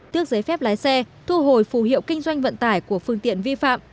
tước giấy phép lái xe thu hồi phù hiệu kinh doanh vận tải của phương tiện vi phạm